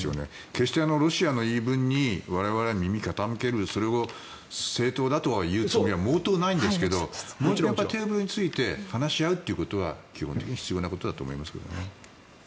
決してロシアの言い分に我々、耳を傾けるそれを正当だとは言うつもりは毛頭ないんですがもう１回テーブルに着いて話し合うことは基本的に必要なことだと思いますけどね。